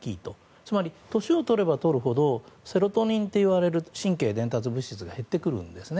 つまり、年をとればとるほどセロトニンといわれる神経伝達物質が減ってくるんですね。